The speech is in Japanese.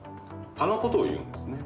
あのことを言うんですね。